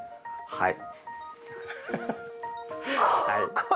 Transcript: はい。